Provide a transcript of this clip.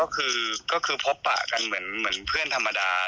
ก็คือพบปะกันเหมือนเพื่อนธรรมดา